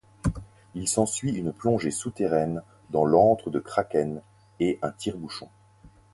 Il s'ensuit une plongée souterraine dans l'antre de Kraken et un tire-bouchon.